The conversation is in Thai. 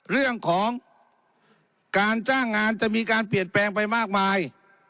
เรื่องของการจ้างงานจะมีการเปลี่ยนแปลงไปมากมาย